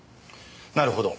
なるほど。